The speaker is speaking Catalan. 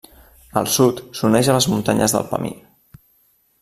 Al sud, s'uneix a les muntanyes del Pamir.